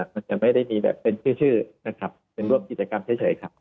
มันจะไม่ได้มีแบบเป็นชื่อนะครับเป็นร่วมกิจกรรมเฉยครับ